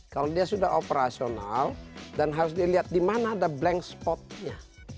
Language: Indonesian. kalau dia sudah operasional dan harus dilihat di mana ada blank spotnya